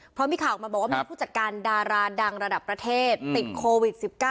เพราะมีข่าวออกมาบอกว่ามีผู้จัดการดาราดังระดับประเทศติดโควิด๑๙